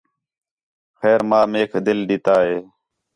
خیر ماں میک دِل ݙِتا ہِے